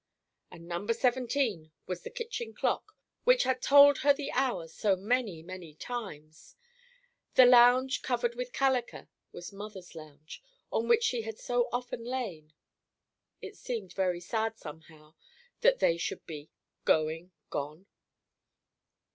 And No. 17 was the kitchen clock, which had told her the hour so many, many times; the lounge covered with "calliker" was mother's lounge, on which she had so often lain. It seemed very sad, somehow, that they should be "going gone."